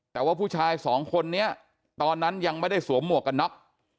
แต่ว่าผู้ชายสองคนนี้ตอนนั้นยังไม่ได้สวมหมวกกันน็อก